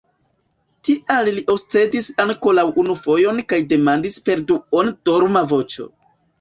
Tial li oscedis ankoraŭ unu fojon kaj demandis per duone dorma voĉo.